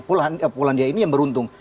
polandia ini yang beruntung